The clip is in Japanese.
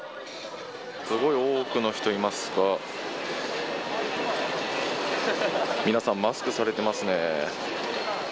すごい多くの人いますが、皆さん、マスクされてますね。